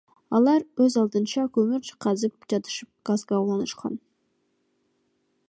Алар өз алдынча көмүр казып жатышып газга улаанышкан.